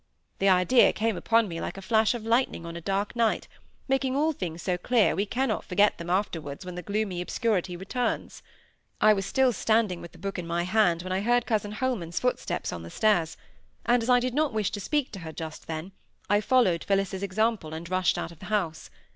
This idea came upon me like a flash of lightning on a dark night, making all things so clear we cannot forget them afterwards when the gloomy obscurity returns. I was still standing with the book in my hand when I heard cousin Holman's footsteps on the stairs, and as I did not wish to speak to her just then, I followed Phillis's example, and rushed out of the house.